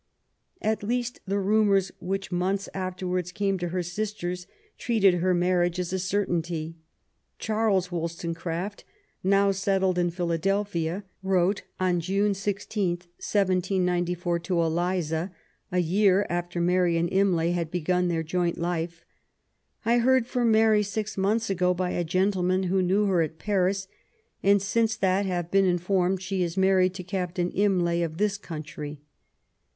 At least the rumours which months afterwards came to her sisters treated her marriage as a certainty. Charles WoUstonecraft^ now settled in Philadelphia, wrote on June 16, 1794, to Eliza, a year after Mary and Imlay had begun their joint life :^' I heard from Mary six months ago by a gentleman who knew her at Paris, and since that have been informed she is married to Captain Imlay of this country.''